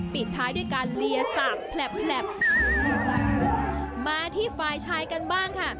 ปิดท้ายด้วยการเลียสากแผลบแผลบมาที่ฝ่ายชายกันบ้างค่ะ